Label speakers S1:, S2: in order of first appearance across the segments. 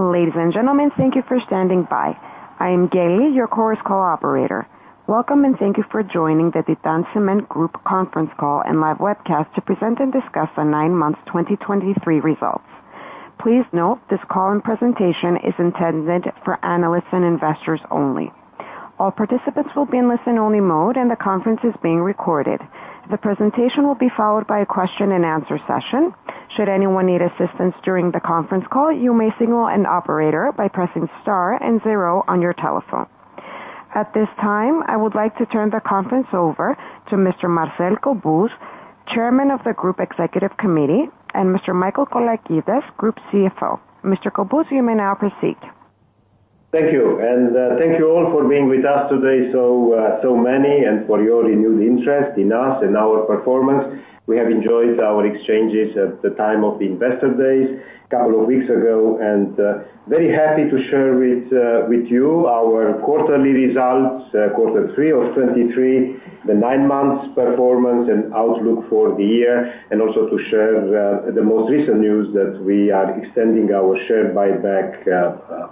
S1: Ladies and gentlemen, thank you for standing by. I am Gay, your chorus call operator. Welcome, and thank you for joining the Titan Cement Group conference call and live webcast to present and discuss the nine months 2023 results. Please note, this call and presentation is intended for analysts and investors only. All participants will be in listen-only mode, and the conference is being recorded. The presentation will be followed by a question and answer session. Should anyone need assistance during the conference call, you may signal an operator by pressing star and zero on your telephone. At this time, I would like to turn the conference over to Mr. Marcel Cobuz, Chairman of the Group Executive Committee, and Mr. Michael Colakides, Group CFO. Mr. Cobuz, you may now proceed.
S2: Thank you, and thank you all for being with us today. So, so many and for your renewed interest in us and our performance. We have enjoyed our exchanges at the time of the Investor Days a couple of weeks ago, and very happy to share with you our quarterly results, quarter 3 of 2023, the nine months performance and outlook for the year, and also to share the most recent news that we are extending our share buyback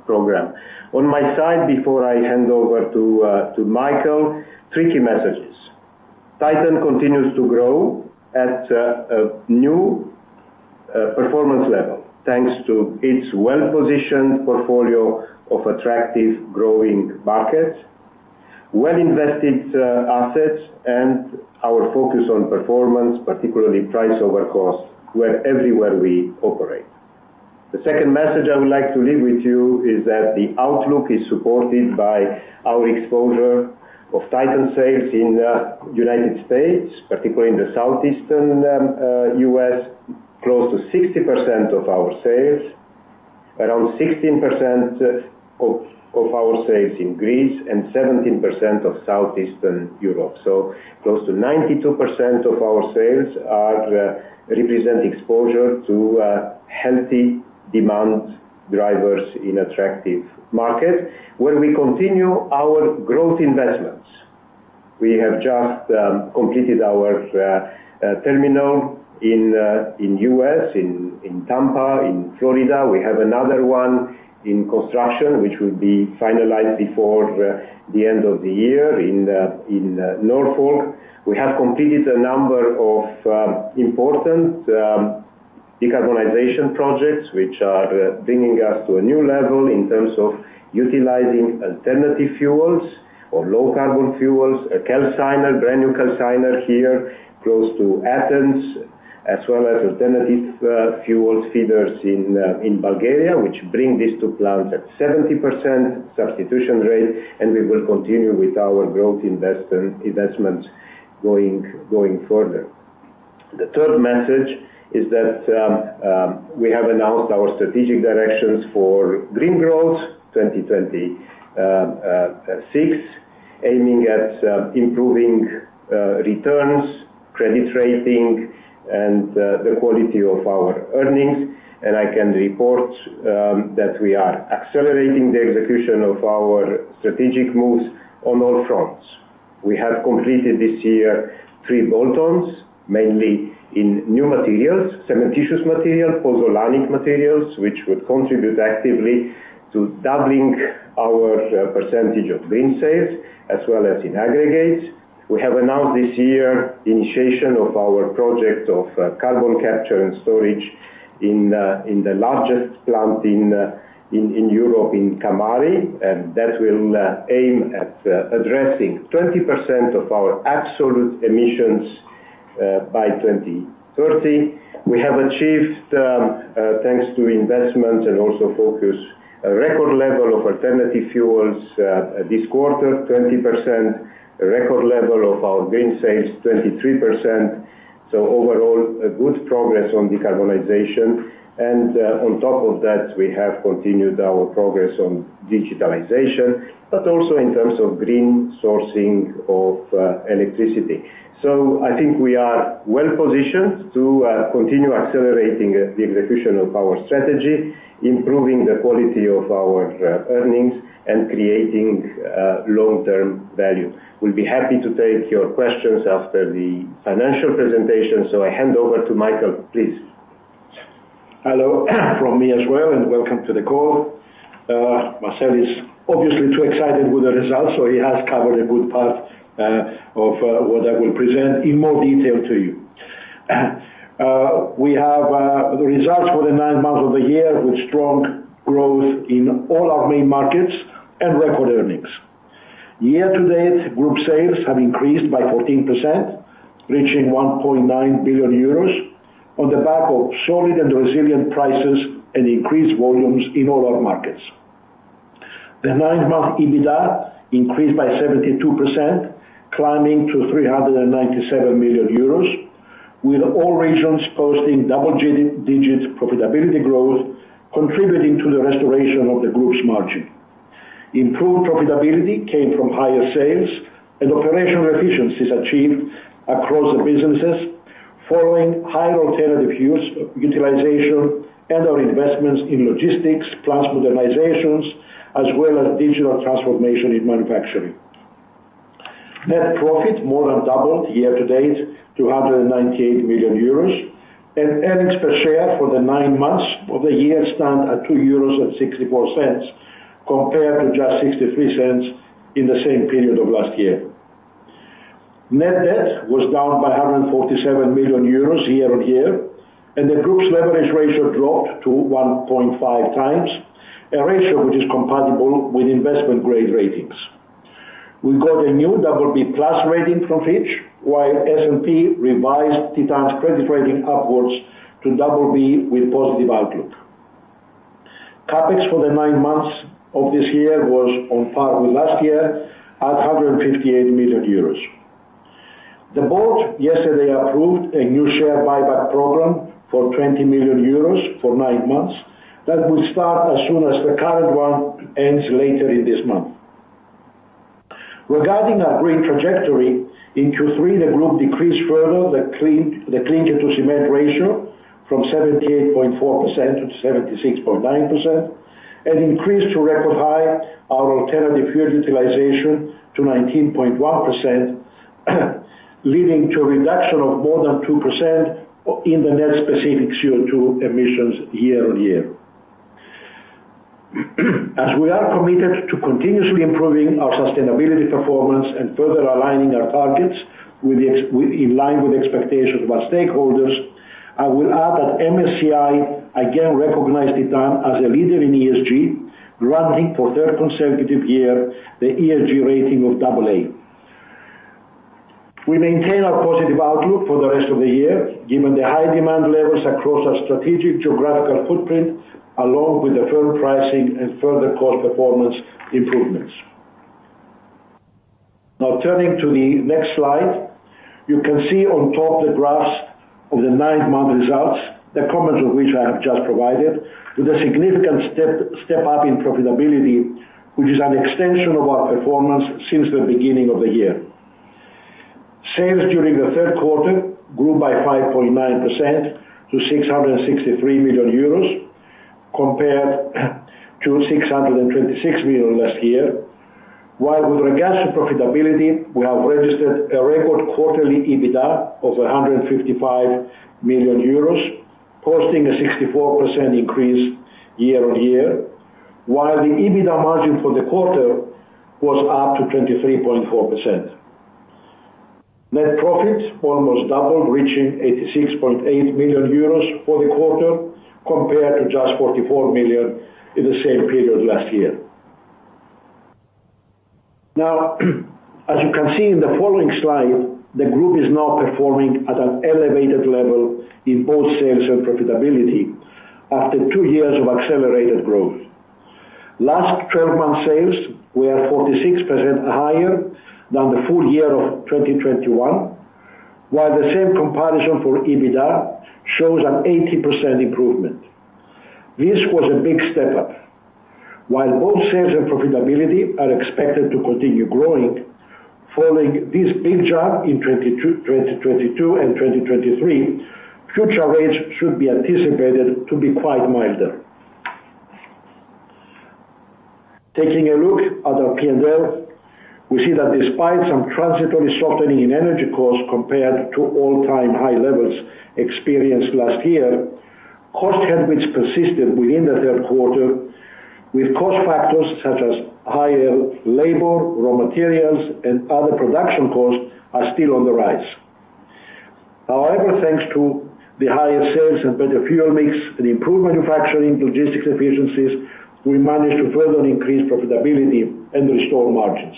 S2: program. On my side, before I hand over to Michael, tricky messages. Titan continues to grow at a new performance level, thanks to its well-positioned portfolio of attractive growing markets, well-invested assets, and our focus on performance, particularly price over cost, wherever we operate. The second message I would like to leave with you is that the outlook is supported by our exposure of Titan sales in the United States, particularly in the Southeastern U.S., close to 60% of our sales, around 16% of our sales in Greece, and 17% of Southeastern Europe. So close to 92% of our sales represent exposure to healthy demand drivers in attractive markets, where we continue our growth investments. We have just completed our terminal in the U.S., in Tampa, in Florida. We have another one in construction, which will be finalized before the end of the year in Norfolk. We have completed a number of important decarbonization projects, which are bringing us to a new level in terms of utilizing alternative fuels or low carbon fuels, a calciner, brand new calciner here, close to Athens, as well as alternative fuel feeders in Bulgaria, which bring these two plants at 70% substitution rate, and we will continue with our growth investments going further. The third message is that we have announced our strategic directions for Green Growth 2026, aiming at improving returns, credit rating, and the quality of our earnings. I can report that we are accelerating the execution of our strategic moves on all fronts. We have completed this year three bolt-ons, mainly in new materials, cementitious material, pozzolanic materials, which would contribute actively to doubling our percentage of green sales, as well as in aggregates. We have announced this year initiation of our project of carbon capture and storage in the largest plant in Europe, in Kamari, and that will aim at addressing 20% of our absolute emissions by 2030. We have achieved, thanks to investment and also focus, a record level of alternative fuels this quarter, 20%, a record level of our green sales, 23%. So overall, a good progress on decarbonization. And on top of that, we have continued our progress on digitalization, but also in terms of green sourcing of electricity. I think we are well positioned to continue accelerating the execution of our strategy, improving the quality of our earnings, and creating long-term value. We'll be happy to take your questions after the financial presentation. I hand over to Michael, please.
S3: Hello, from me as well, and welcome to the call. Marcel is obviously too excited with the results, so he has covered a good part of what I will present in more detail to you. We have the results for the nine months of the year, with strong growth in all our main markets and record earnings. Year to date, group sales have increased by 14%, reaching 1.9 billion euros, on the back of solid and resilient prices and increased volumes in all our markets. The nine-month EBITDA increased by 72%, climbing to 397 million euros, with all regions posting double digits profitability growth, contributing to the restoration of the group's margin. Improved profitability came from higher sales and operational efficiencies achieved across the businesses, following high alternative use, utilization and our investments in logistics, plant modernizations, as well as digital transformation in manufacturing. Net profit more than doubled year-to-date to 198 million euros, and earnings per share for the nine months of the year stand at 2.64 euros, compared to just 0.63 in the same period of last year. Net debt was down by 147 million euros year-on-year, and the group's leverage ratio dropped to 1.5 times, a ratio which is compatible with investment-grade ratings. We got a new BB+ rating from Fitch, while S&P revised Titan's credit rating upwards to BB with positive outlook. CapEx for the nine months of this year was on par with last year at 158 million euros. The board yesterday approved a new share buyback program for 20 million euros for nine months. That will start as soon as the current one ends later in this month. Regarding our green trajectory, in Q3, the group decreased further the clinker-to-cement ratio from 78.4% to 76.9% and increased to record high our alternative fuel utilization to 19.1%, leading to a reduction of more than 2% in the net specific CO2 emissions year-on-year. As we are committed to continuously improving our sustainability performance and further aligning our targets with in line with expectations of our stakeholders, I will add that MSCI again recognized Titan as a leader in ESG, granting for third consecutive year, the ESG rating of double A. We maintain our positive outlook for the rest of the year, given the high demand levels across our strategic geographical footprint, along with the firm pricing and further cost performance improvements. Now, turning to the next slide, you can see on top the graphs of the nine-month results, the comments of which I have just provided, with a significant step up in profitability, which is an extension of our performance since the beginning of the year. Sales during the third quarter grew by 5.9% to 663 million euros, compared to 626 million last year. While with regards to profitability, we have registered a record quarterly EBITDA of 155 million euros, posting a 64% increase year-on-year, while the EBITDA margin for the quarter was up to 23.4%. Net profits almost doubled, reaching 86.8 million euros for the quarter, compared to just 44 million in the same period last year. Now, as you can see in the following slide, the group is now performing at an elevated level in both sales and profitability after two years of accelerated growth. Last twelve-month sales were 46% higher than the full year of 2021, while the same comparison for EBITDA shows an 80% improvement. This was a big step up. While both sales and profitability are expected to continue growing, following this big jump in 2022 and 2023, future rates should be anticipated to be quite milder. Taking a look at our P&L, we see that despite some transitory softening in energy costs compared to all-time high levels experienced last year, cost headwinds persisted within the Q3, with cost factors such as higher labor, raw materials, and other production costs, are still on the rise. However, thanks to the higher sales and better fuel mix and improved manufacturing logistics efficiencies, we managed to further increase profitability and restore margins.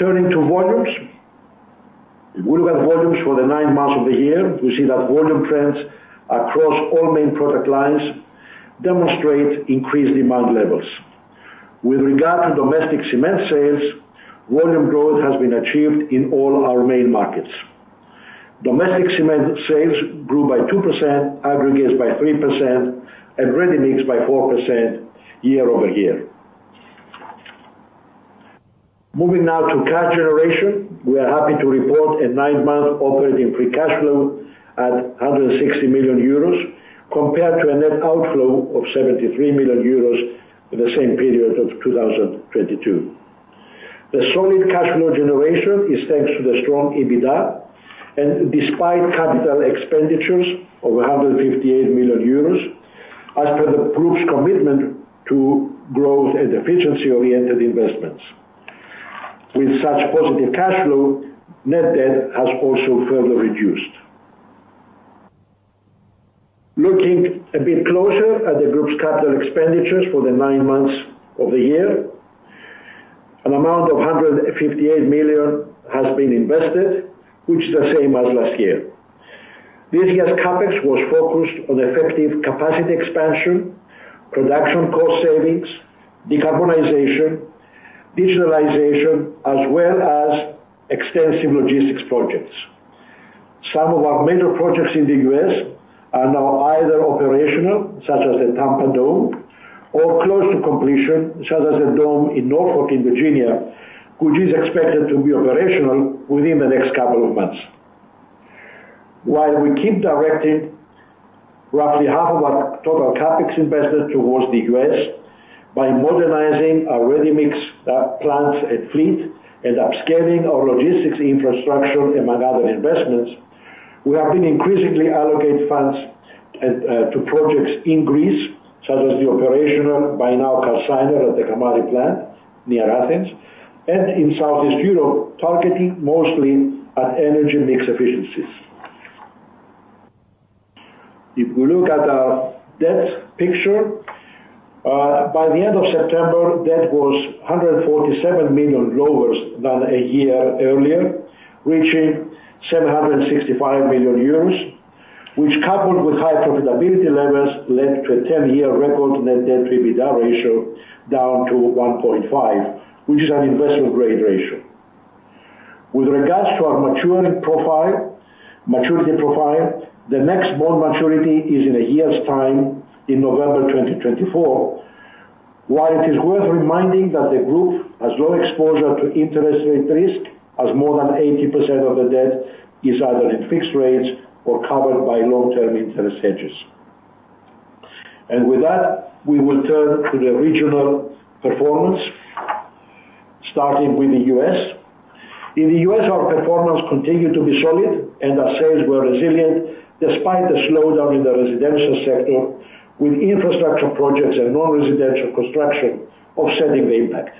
S3: Turning to volumes. Looking at volumes for the nine months of the year, we see that volume trends across all main product lines demonstrate increased demand levels. With regard to domestic cement sales, volume growth has been achieved in all our main markets. Domestic cement sales grew by 2%, aggregates by 3%, and ready-mix by 4% year-over-year. Moving now to cash generation. We are happy to report a 9-month operating free cash flow of 160 million euros, compared to a net outflow of 73 million euros in the same period of 2022. The solid cash flow generation is thanks to the strong EBITDA, and despite capital expenditures of 158 million euros, as per the group's commitment to growth and efficiency-oriented investments. With such positive cash flow, net debt has also further reduced. Looking a bit closer at the group's capital expenditures for the 9 months of the year, an amount of 158 million has been invested, which is the same as last year. This year's CapEx was focused on effective capacity expansion, production cost savings, decarbonization, digitalization, as well as extensive logistics projects. Some of our major projects in the U.S. are now either operational, such as the Tampa Dome, or close to completion, such as the dome in Norfolk, in Virginia, which is expected to be operational within the next couple of months... While we keep directing roughly half of our total CapEx investment towards the U.S., by modernizing our ready-mix plants and fleet and upscaling our logistics infrastructure, among other investments, we have been increasingly allocate funds at, to projects in Greece, such as the operational by now calciner at the Kamari plant near Athens, and in Southeastern Europe, targeting mostly at energy mix efficiencies. If we look at our debt picture, by the end of September, debt was 147 million lower than a year earlier, reaching 765 million euros, which coupled with high profitability levels, led to a ten-year record net debt ratio down to 1.5, which is an investment grade ratio. With regards to our maturing profile, maturity profile, the next bond maturity is in a year's time, in November 2024. While it is worth reminding that the group has low exposure to interest rate risk, as more than 80% of the debt is either in fixed rates or covered by long-term interest hedges. And with that, we will turn to the regional performance, starting with the US. In the US, our performance continued to be solid, and our sales were resilient despite the slowdown in the residential sector, with infrastructure projects and non-residential construction offsetting the impact.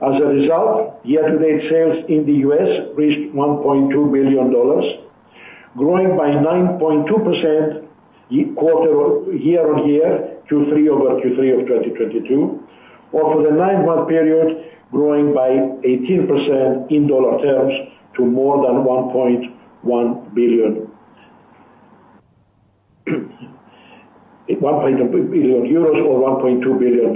S3: As a result, year-to-date sales in the US reached $1.2 billion, growing by 9.2% year-over-year, Q3 over Q3 of 2022. Over the nine-month period, growing by 18% in dollar terms to more than €1.1 billion or $1.2 billion.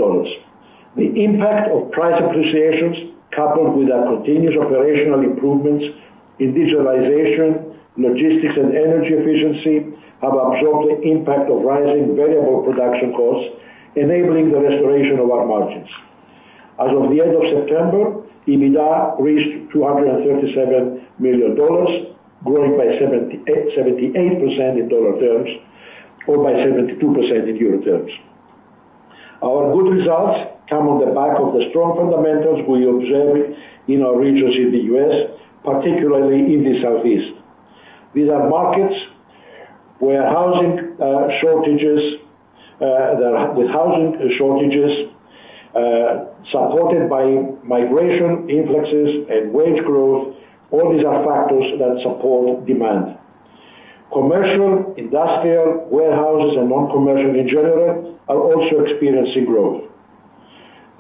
S3: The impact of price appreciations, coupled with our continuous operational improvements in digitalization, logistics, and energy efficiency, have absorbed the impact of rising variable production costs, enabling the restoration of our margins. As of the end of September, EBITDA reached $237 million, growing by 78% in dollar terms, or by 72% in euro terms. Our good results come on the back of the strong fundamentals we observed in our regions in the U.S., particularly in the Southeast. These are markets where housing shortages, supported by migration influxes and wage growth. All these are factors that support demand. Commercial, industrial, warehouses, and non-commercial in general, are also experiencing growth.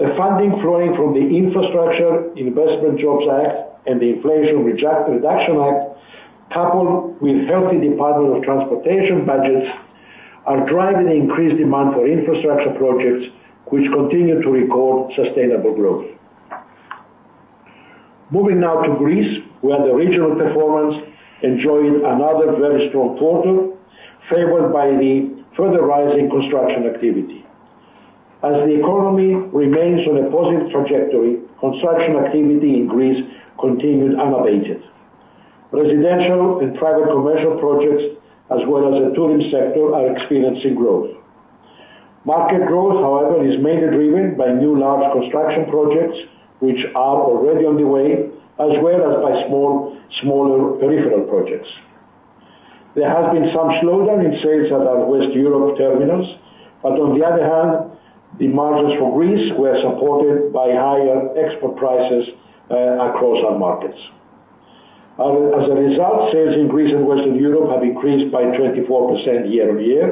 S3: The funding flowing from the Infrastructure Investment and Jobs Act and the Inflation Reduction Act, coupled with healthy Department of Transportation budgets, are driving increased demand for infrastructure projects, which continue to record sustainable growth. Moving now to Greece, where the regional performance enjoyed another very strong quarter, favoured by the further rise in construction activity. As the economy remains on a positive trajectory, construction activity in Greece continued unabated. Residential and private commercial projects, as well as the tourism sector, are experiencing growth. Market growth, however, is mainly driven by new large construction projects, which are already on the way, as well as by small, smaller peripheral projects. There has been some slowdown in sales at our Western Europe terminals, but on the other hand, the margins for Greece were supported by higher export prices across our markets. As a result, sales in Greece and Western Europe have increased by 24% year-on-year,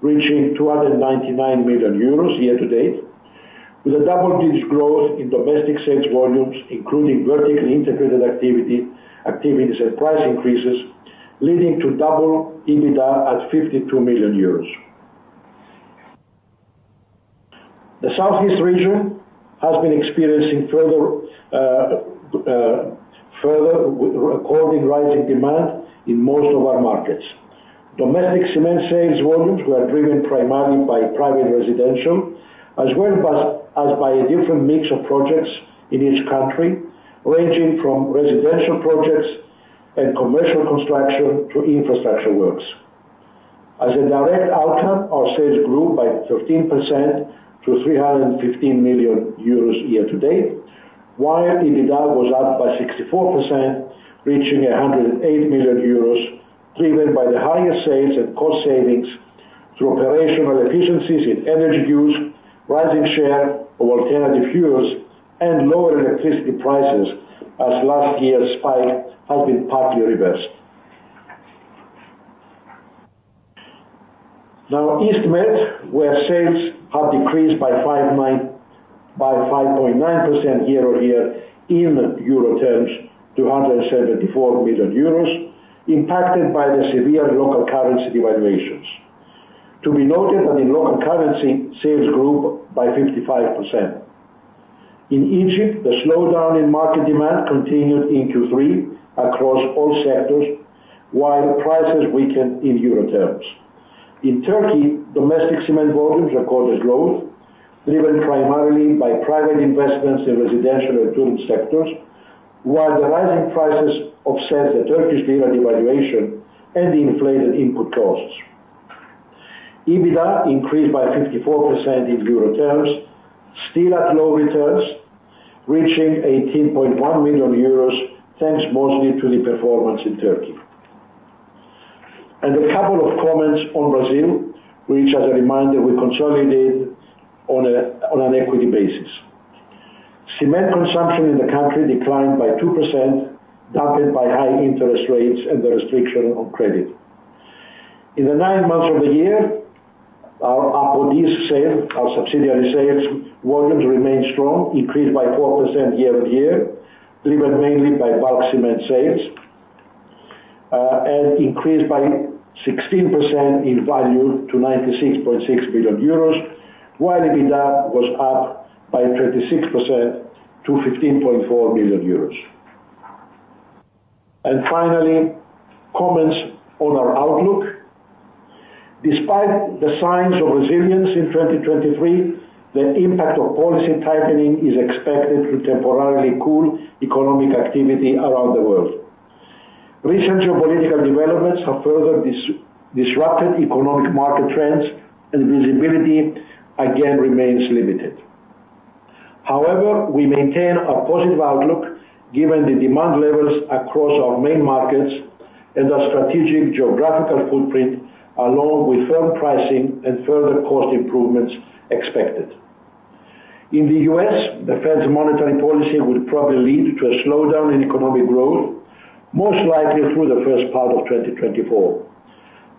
S3: reaching 299 million euros year-to-date, with a double-digit growth in domestic sales volumes, including vertically integrated activity, activities and price increases, leading to double EBITDA at 52 million euros. The Southeast region has been experiencing further with recording rising demand in most of our markets. Domestic cement sales volumes were driven primarily by private residential, as well as by a different mix of projects in each country, ranging from residential projects and commercial construction to infrastructure works. As a direct outcome, our sales grew by 13% to 315 million euros year-to-date, while EBITDA was up by 64%, reaching 108 million euros, driven by the higher sales and cost savings through operational efficiencies in energy use, rising share of alternative fuels, and lower electricity prices, as last year's spike has been partly reversed. Now, East Med, where sales have decreased by 5.9% year-over-year in euro terms to 174 million euros, impacted by the severe local currency devaluations. To be noted that in local currency, sales grew by 55%. In Egypt, the slowdown in market demand continued in Q3 across all sectors, while prices weakened in euro terms. In Turkey, domestic cement volumes recorded growth, driven primarily by private investments in residential and tourist sectors, while the rising prices offset the Turkish lira devaluation and the inflated input costs. EBITDA increased by 54% in euro terms, still at low returns, reaching 18.1 million euros, thanks mostly to the performance in Turkey. And a couple of comments on Brazil, which as a reminder, we consolidated on an equity basis. Cement consumption in the country declined by 2%, dampened by high interest rates and the restriction on credit. In the nine months of the year, our Apodi's sales, our subsidiary sales volumes remained strong, increased by 4% year-over-year, driven mainly by bulk cement sales, and increased by 16% in value to 96.6 billion euros, while EBITDA was up by 26% to 15.4 billion euros. Finally, comments on our outlook. Despite the signs of resilience in 2023, the impact of policy tightening is expected to temporarily cool economic activity around the world. Recent geopolitical developments have further disrupted economic market trends, and visibility, again, remains limited. However, we maintain a positive outlook given the demand levels across our main markets and our strategic geographical footprint, along with firm pricing and further cost improvements expected. In the U.S., the Fed's monetary policy will probably lead to a slowdown in economic growth, most likely through the first part of 2024.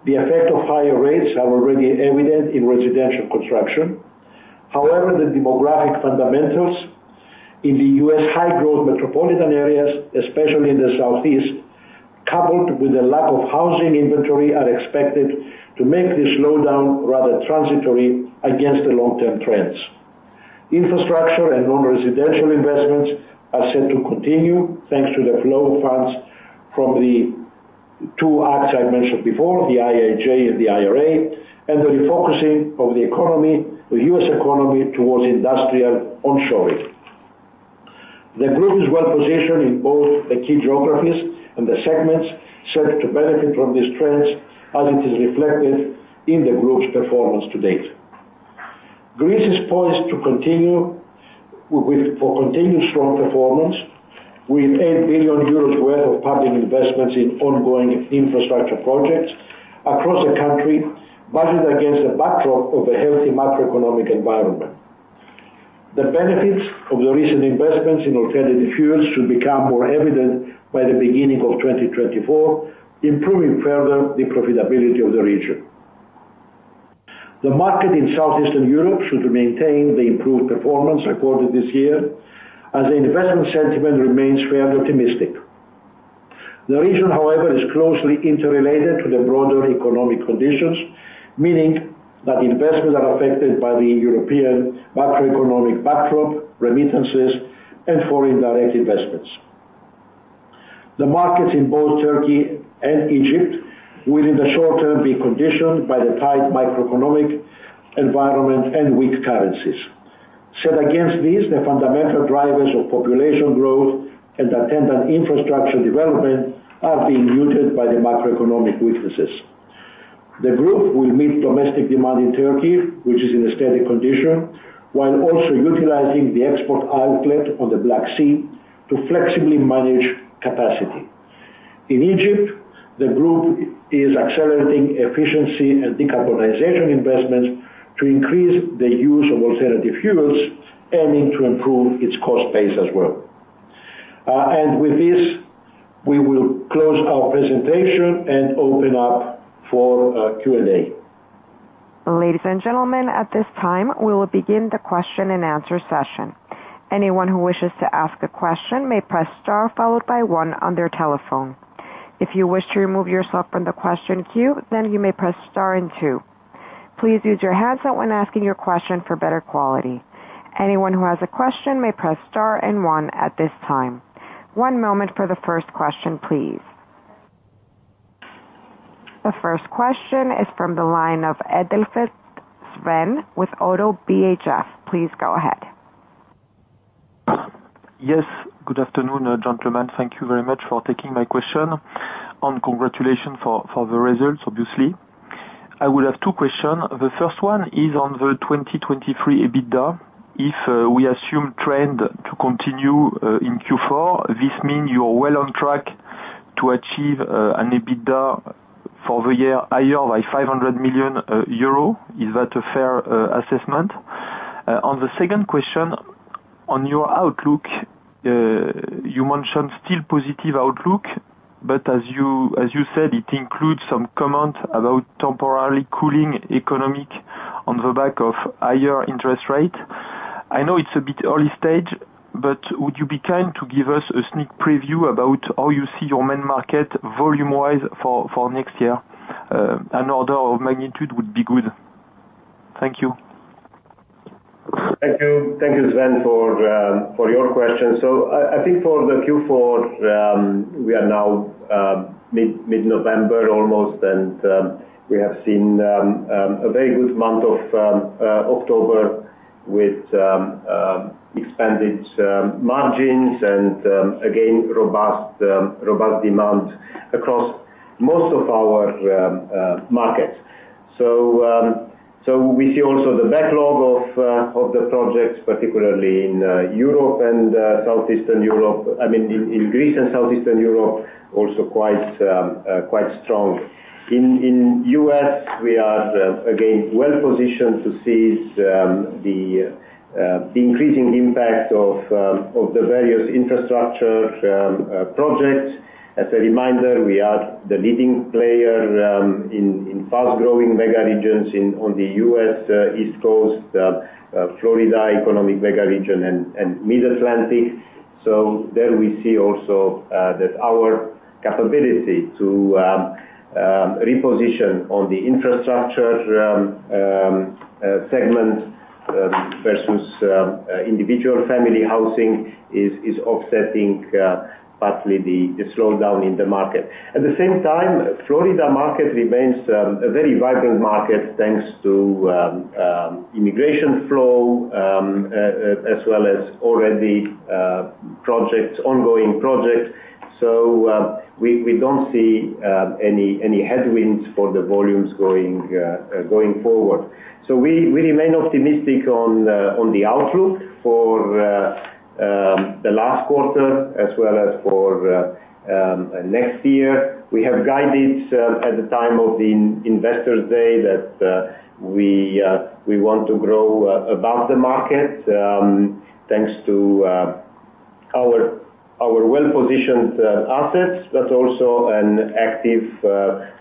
S3: The effect of higher rates are already evident in residential construction. However, the demographic fundamentals in the US high-growth metropolitan areas, especially in the Southeast, coupled with a lack of housing inventory, are expected to make this slowdown rather transitory against the long-term trends. Infrastructure and non-residential investments are set to continue, thanks to the flow of funds from the two acts I mentioned before, the IIJA and the IRA, and the refocusing of the economy, the US economy, towards industrial onshoring. The group is well-positioned in both the key geographies and the segments set to benefit from these trends, as it is reflected in the group's performance to date. Greece is poised to continue for continued strong performance, with 8 billion euros worth of public investments in ongoing infrastructure projects across the country, measured against the backdrop of a healthy macroeconomic environment. The benefits of the recent investments in alternative fuels should become more evident by the beginning of 2024, improving further the profitability of the region. The market in Southeastern Europe should maintain the improved performance recorded this year, as the investment sentiment remains fair and optimistic. The region, however, is closely interrelated to the broader economic conditions, meaning that investments are affected by the European macroeconomic backdrop, remittances, and foreign direct investments. The markets in both Turkey and Egypt will, in the short term, be conditioned by the tight macroeconomic environment and weak currencies. Set against this, the fundamental drivers of population growth and attendant infrastructure development are being muted by the macroeconomic weaknesses. The group will meet domestic demand in Turkey, which is in a steady condition, while also utilizing the export outlet on the Black Sea to flexibly manage capacity. In Egypt, the group is accelerating efficiency and decarbonization investments to increase the use of alternative fuels, aiming to improve its cost base as well. With this, we will close our presentation and open up for Q&A.
S1: Ladies and gentlemen, at this time, we will begin the question-and-answer session. Anyone who wishes to ask a question may press star followed by one on their telephone. If you wish to remove yourself from the question queue, then you may press star and two. Please use your headset when asking your question for better quality. Anyone who has a question may press star and one at this time. One moment for the first question, please. The first question is from the line of Sven Edelfelt with ODDO BHF. Please go ahead.
S4: Yes, good afternoon, gentlemen. Thank you very much for taking my question. Congratulations for the results, obviously. I will have two questions. The first one is on the 2023 EBITDA. If we assume trend to continue in Q4, this mean you are well on track to achieve an EBITDA for the year higher by 500 million euro. Is that a fair assessment? On the second question, on your outlook, you mentioned still positive outlook, but as you said, it includes some comments about temporarily cooling economy on the back of higher interest rate. I know it's a bit early stage, but would you be kind to give us a sneak preview about how you see your main market volume-wise for next year? An order of magnitude would be good. Thank you.
S2: Thank you. Thank you, Sven, for your question. So I think for the Q4, we are now mid-November almost, and we have seen a very good month of October with expanded margins and again robust demand across most of our markets. So we see also the backlog of the projects, particularly in Europe and Southeastern Europe. I mean, in Greece and Southeastern Europe, also quite strong. In U.S., we are again well-positioned to seize the increasing impact of the various infrastructure projects. As a reminder, we are the leading player in fast-growing mega regions on the U.S. East Coast, Florida economic mega region and Mid-Atlantic. So there we see also that our capability to reposition on the infrastructure segment versus individual family housing is offsetting partly the slowdown in the market. At the same time, Florida market remains a very vibrant market, thanks to immigration flow as well as already projects, ongoing projects. So we don't see any headwinds for the volumes going forward. So we remain optimistic on the outlook for the last quarter, as well as for next year. We have guided at the time of the investors day that we want to grow above the market thanks to our well-positioned assets but also an active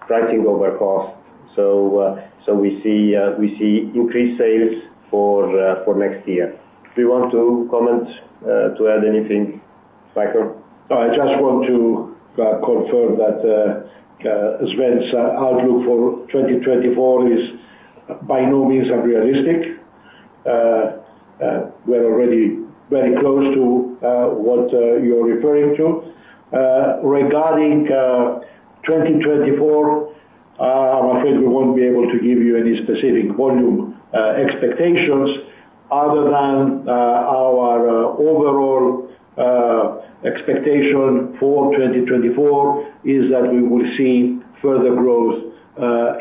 S2: pricing over cost. So we see increased sales for next year. Do you want to comment to add anything, Michael?
S3: No, I just want to confirm that as Sven's outlook for 2024 is by no means unrealistic. We're already very close to what you're referring to. Regarding 2024, I'm afraid we won't be able to give you any specific volume expectations, other than our overall expectation for 2024 is that we will see further growth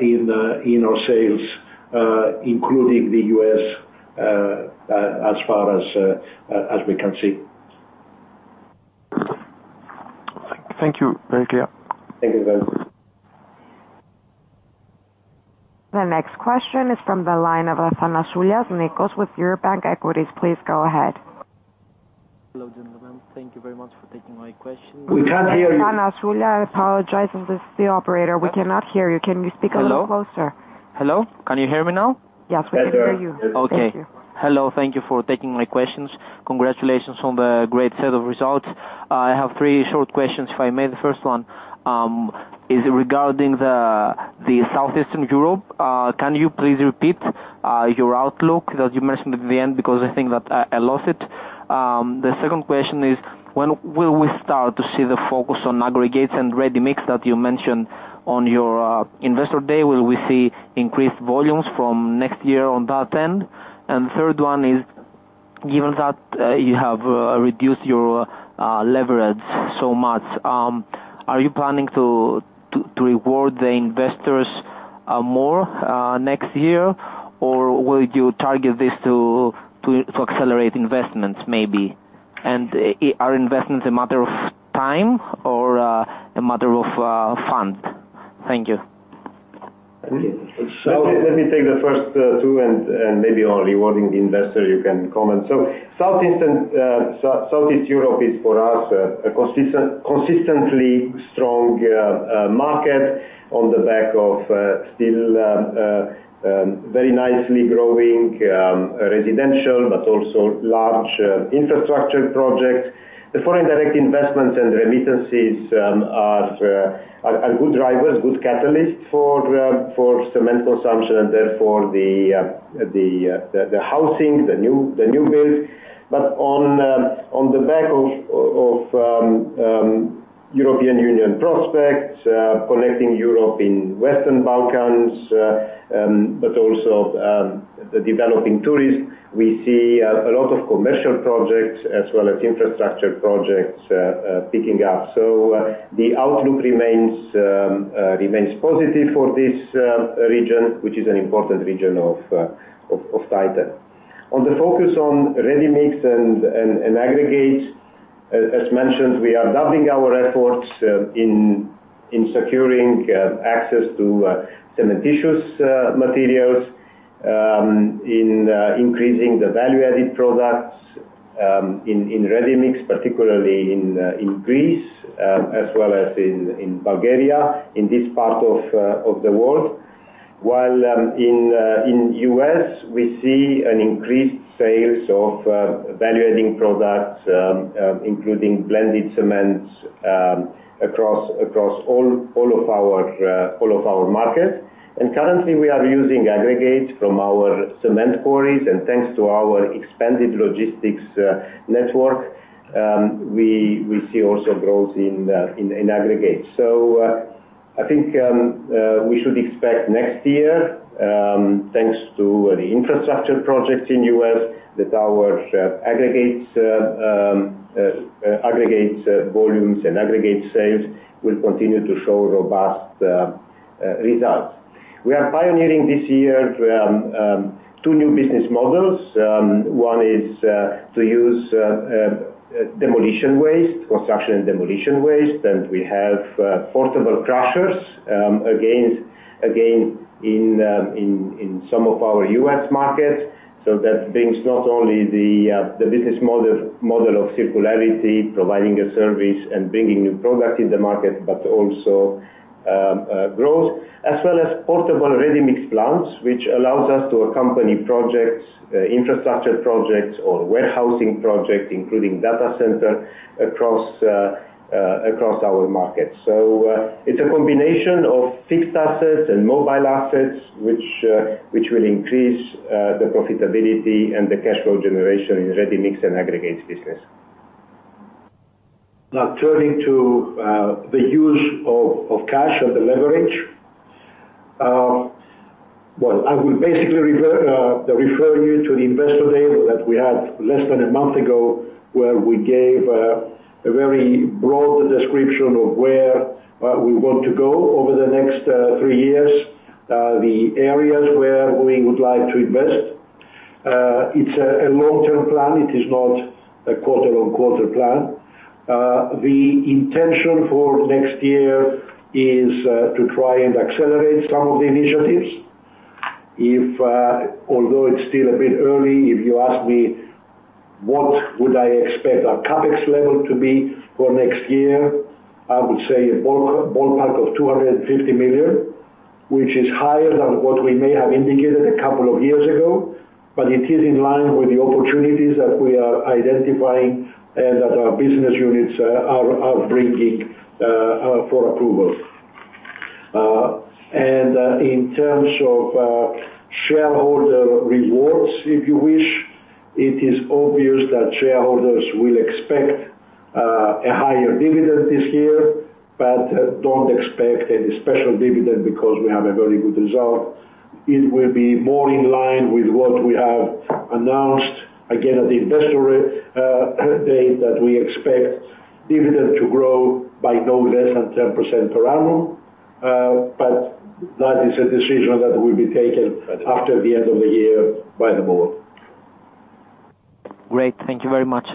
S3: in our sales, including the U.S., as far as we can see.
S4: Thank you. Very clear.
S2: Thank you very much.
S1: The next question is from the line of Nikos Athanasoulas with Eurobank Equities. Please go ahead.
S5: Hello, gentlemen. Thank you very much for taking my question.
S3: We can't hear you.
S1: Athanasoulas, I apologize, this is the operator. We cannot hear you. Can you speak a little closer?
S5: Hello? Hello, can you hear me now?
S1: Yes, we can hear you.
S3: Better.
S5: Okay.
S1: Thank you.
S5: Hello, thank you for taking my questions. Congratulations on the great set of results. I have three short questions, if I may. The first one is regarding the Southeastern Europe. Can you please repeat your outlook that you mentioned at the end? Because I think that I lost it. The second question is, when will we start to see the focus on aggregates and ready-mix that you mentioned on your investor day? Will we see increased volumes from next year on that end? And the third one is, given that you have reduced your leverage so much, are you planning to reward the investors more next year, or will you target this to accelerate investments, maybe? And are investments a matter of time or a matter of fund? Thank you.
S2: Let me take the first two, and maybe on rewarding the investor, you can comment. So Southeastern Europe is, for us, a consistently strong market on the back of still very nicely growing residential, but also large infrastructure projects. The foreign direct investments and remittances are good drivers, good catalysts for cement consumption, and therefore the housing, the new build. But on the back of European Union prospects, connecting Europe in Western Balkans, but also the developing tourism, we see a lot of commercial projects as well as infrastructure projects picking up. So, the outlook remains positive for this region, which is an important region of Titan. On the focus on ready-mix and aggregates, as mentioned, we are doubling our efforts in securing access to cementitious materials in increasing the value-added products in ready-mix, particularly in Greece, as well as in Bulgaria, in this part of the world. While in US, we see an increased sales of value-adding products, including blended cements, across all of our markets. And currently, we are using aggregates from our cement quarries, and thanks to our expanded logistics network, we see also growth in aggregate. So, I think, we should expect next year, thanks to the infrastructure projects in U.S., that our aggregates volumes and aggregate sales will continue to show robust results. We are pioneering this year two new business models. One is to use demolition waste, construction and demolition waste, and we have portable crushers, again, in some of our U.S. markets. So that brings not only the business model of circularity, providing a service and bringing new products in the market, but also growth, as well as portable ready-mix plants, which allows us to accompany projects, infrastructure projects or warehousing projects, including data center across our markets. It's a combination of fixed assets and mobile assets, which will increase the profitability and the cash flow generation in ready-mix and aggregates business.
S3: Now, turning to the use of cash or the leverage. Well, I will basically refer you to the investor day that we had less than a month ago, where we gave a very broad description of where we want to go over the next three years, the areas where we would like to invest. It's a long-term plan. It is not a quarter-on-quarter plan. The intention for next year is to try and accelerate some of the initiatives. Although it's still a bit early, if you ask me, what would I expect our CapEx level to be for next year? I would say a ballpark of 250 million, which is higher than what we may have indicated a couple of years ago, but it is in line with the opportunities that we are identifying and that our business units are bringing for approval. And, in terms of shareholder rewards, if you wish, it is obvious that shareholders will expect a higher dividend this year, but don't expect any special dividend because we have a very good result. It will be more in line with what we have announced, again, at the Investor Day, that we expect dividend to grow by no less than 10% per annum. But that is a decision that will be taken after the end of the year by the board.
S2: Great. Thank you very much.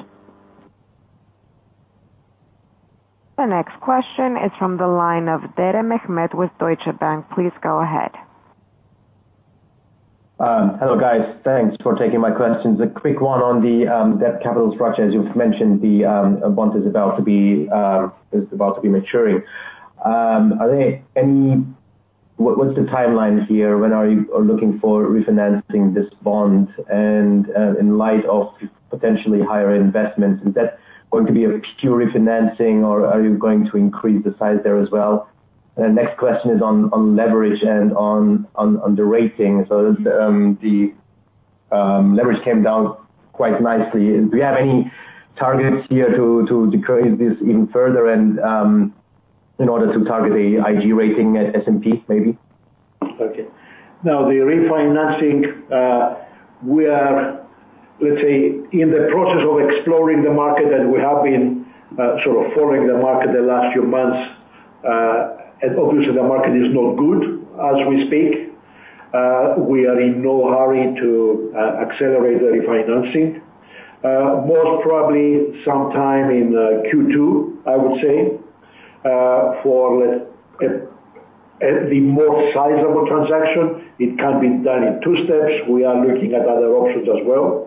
S1: The next question is from the line of Mehmet Dere with Deutsche Bank. Please go ahead.
S6: Hello, guys. Thanks for taking my questions. A quick one on the debt capital structure. As you've mentioned, the bond is about to be maturing. Are there any... What's the timeline here? When are you looking for refinancing this bond? And in light of potentially higher investments, is that going to be a pure refinancing, or are you going to increase the size there as well? And the next question is on leverage and on the rating. So, the leverage came down quite nicely. Do you have any targets here to decrease this even further and in order to target a IG rating at S&P, maybe?
S3: Okay. Now, the refinancing, we are, let's say, in the process of exploring the market, and we have been sort of following the market the last few months, and obviously, the market is not good as we speak. We are in no hurry to accelerate the refinancing. Most probably sometime in Q2, I would say, for the more sizable transaction, it can be done in two steps. We are looking at other options as well.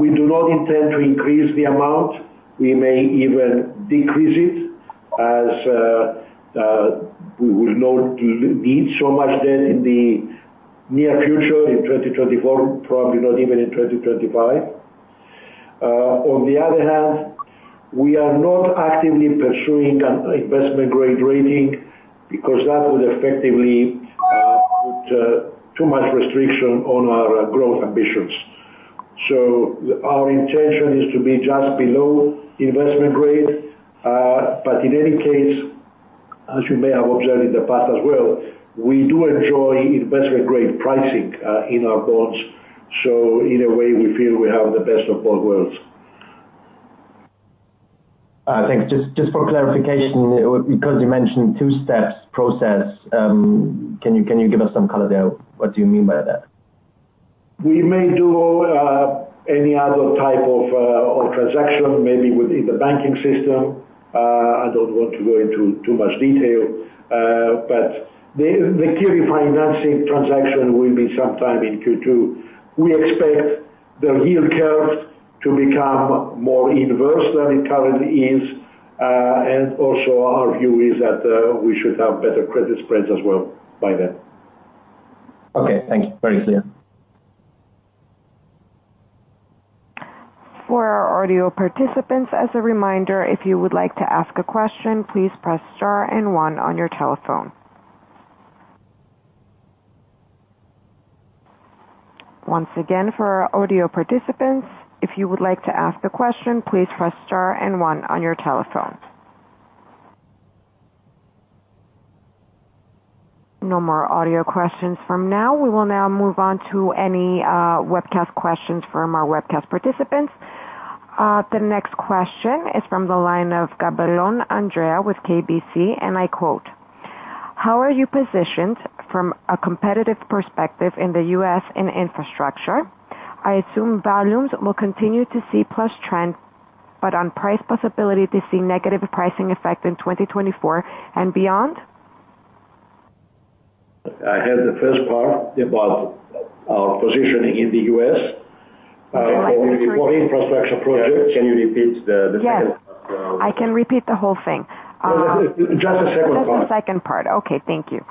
S3: We do not intend to increase the amount. We may even decrease it, as we will not need so much then in the near future, in 2024, probably not even in 2025. On the other hand, we are not actively pursuing an investment-grade rating because that would effectively put too much restriction on our growth ambitions. Our intention is to be just below Investment grade. But in any case, as you may have observed in the past as well, we do enjoy Investment-grade pricing in our bonds. In a way, we feel we have the best of both worlds.
S6: Thanks. Just, just for clarification, because you mentioned two steps process, can you, can you give us some color there? What do you mean by that?
S3: We may do any other type of transaction, maybe within the banking system. I don't want to go into too much detail, but the key refinancing transaction will be sometime in Q2. We expect the yield curve to become more inverse than it currently is, and also our view is that we should have better credit spreads as well by then.
S6: Okay, thank you. Very clear.
S1: For our audio participants, as a reminder, if you would like to ask a question, please press star and one on your telephone. Once again, for our audio participants, if you would like to ask a question, please press star and one on your telephone. No more audio questions from now. We will now move on to any webcast questions from our webcast participants. The next question is from the line of Andrea Gabalon with KBC, and I quote: "How are you positioned from a competitive perspective in the US in infrastructure? I assume volumes will continue to see plus trend, but on price possibility to see negative pricing effect in 2024 and beyond.
S2: I heard the first part about our positioning in the U.S. For infrastructure projects, can you repeat the second part?
S1: Yes, I can repeat the whole thing.
S2: Just the second part.
S1: Just the second part. Okay, thank you.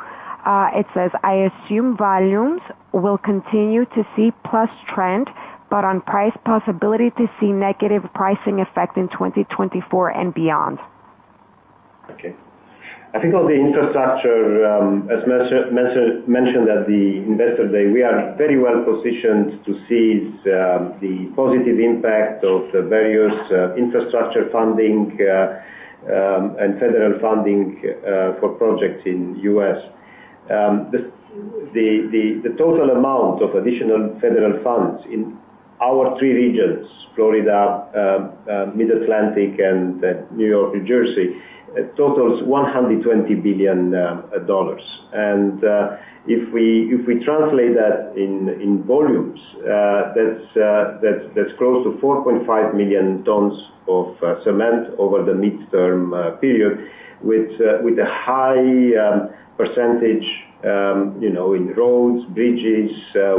S1: It says, "I assume volumes will continue to see plus trend, but on price possibility to see negative pricing effect in 2024 and beyond.
S2: Okay. I think on the infrastructure, as mentioned at the Investor Day, we are very well positioned to seize the positive impact of the various infrastructure funding and federal funding for projects in U.S. The total amount of additional federal funds in our three regions, Florida, Mid-Atlantic, and New York, New Jersey, totals $120 billion. And if we translate that in volumes, that's close to 4.5 million tons of cement over the midterm period, with a high percentage, you know, in roads, bridges,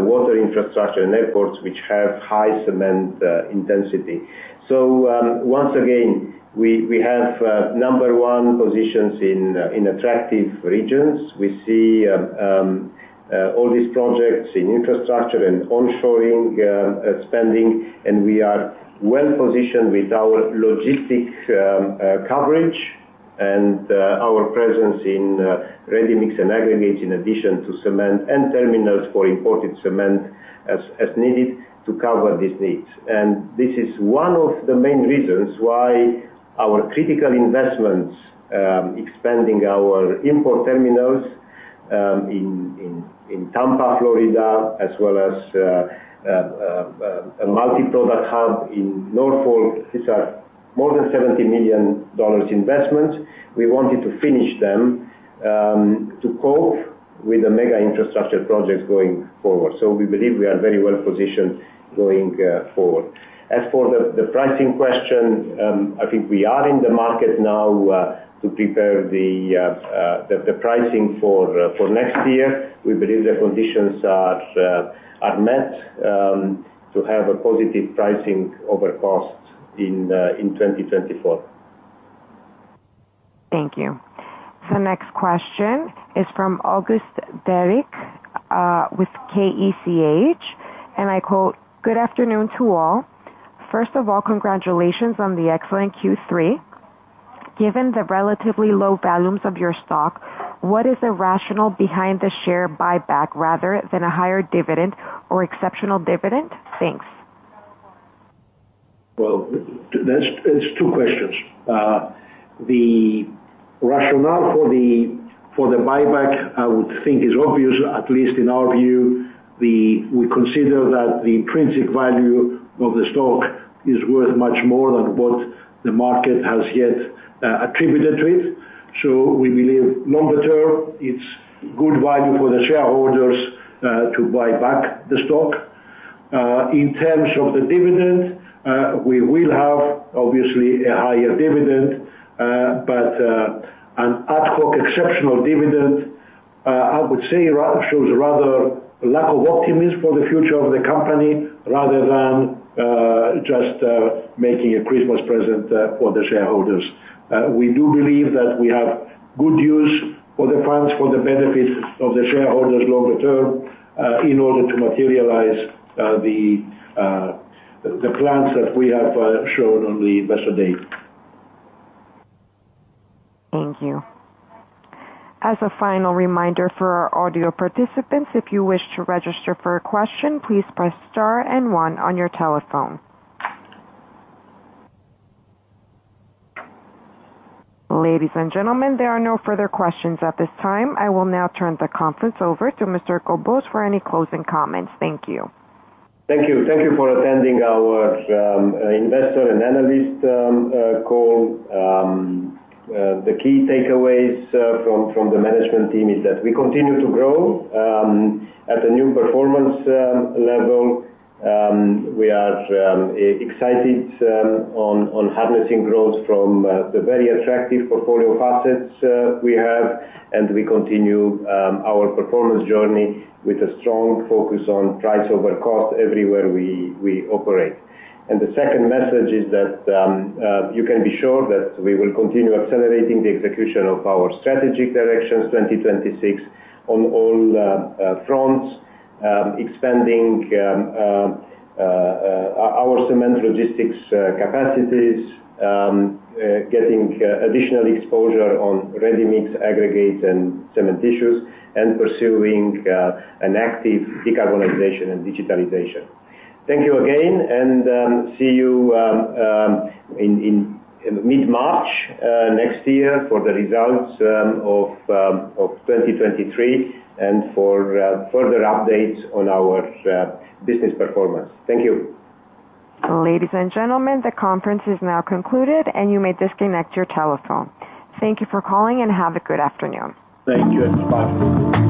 S2: water infrastructure and airports, which have high cement intensity. So once again, we have number one positions in attractive regions. We see all these projects in infrastructure and onshoring spending, and we are well-positioned with our logistics coverage and our presence in ready-mix and aggregates, in addition to cement and terminals for imported cement, as needed to cover these needs. This is one of the main reasons why our critical investments, expanding our import terminals in Tampa, Florida, as well as a multi-product hub in Norfolk. These are more than $70 million investment. We wanted to finish them to cope with the mega infrastructure projects going forward. We believe we are very well positioned going forward. As for the pricing question, I think we are in the market now to prepare the pricing for next year. We believe the conditions are met to have a positive pricing over cost in 2024.
S1: Thank you. The next question is from Derrick August, with KECH, and I quote: "Good afternoon to all. First of all, congratulations on the excellent Q3. Given the relatively low volumes of your stock, what is the rationale behind the share buyback rather than a higher dividend or exceptional dividend? Thanks.
S2: Well, that's two questions. The rationale for the buyback, I would think, is obvious, at least in our view. We consider that the intrinsic value of the stock is worth much more than what the market has yet attributed to it. So we believe longer term, it's good value for the shareholders to buy back the stock. In terms of the dividend, we will have, obviously, a higher dividend, but an ad hoc exceptional dividend, I would say, shows rather lack of optimism for the future of the company, rather than just making a Christmas present for the shareholders. We do believe that we have good use for the funds, for the benefits of the shareholders longer term, in order to materialize the plans that we have shown on the Investor Day.
S1: Thank you. As a final reminder for our audio participants, if you wish to register for a question, please press star and one on your telephone. Ladies and gentlemen, there are no further questions at this time. I will now turn the conference over to Mr. Cobuz for any closing comments. Thank you.
S2: Thank you. Thank you for attending our investor and analyst call. The key takeaways from the management team is that we continue to grow at a new performance level. We are excited on harnessing growth from the very attractive portfolio of assets we have, and we continue our performance journey with a strong focus on price over cost everywhere we operate. The second message is that you can be sure that we will continue accelerating the execution of our strategic directions, 2026, on all fronts, expanding our cement logistics capacities, getting additional exposure on ready-mix aggregates and cement issues, and pursuing an active decarbonization and digitalization. Thank you again, and see you in mid-March next year for the results of 2023, and for further updates on our business performance. Thank you.
S1: Ladies and gentlemen, the conference is now concluded, and you may disconnect your telephone. Thank you for calling, and have a good afternoon.
S2: Thank you, and bye.